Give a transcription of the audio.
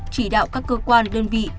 chỉ đạo các cơ quan đơn vị